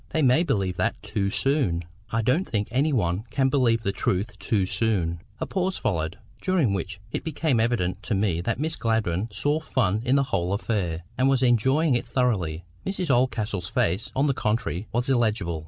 "They may believe that too soon." "I don't think any one can believe the truth too soon." A pause followed, during which it became evident to me that Miss Gladwyn saw fun in the whole affair, and was enjoying it thoroughly. Mrs Oldcastle's face, on the contrary, was illegible.